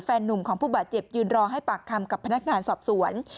นุ่มของผู้บาดเจ็บยืนรอให้ปากคำกับพนักงานสอบสวน